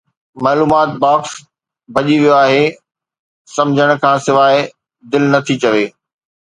معلومات باڪس ڀڄي ويو آهي! سمجھڻ کان سواءِ دل نٿي چوي